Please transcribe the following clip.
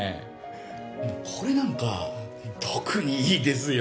これなんか特にいいですよ